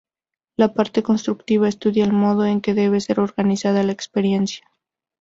La parte constructiva estudia el modo en que debe ser organizada la experiencia.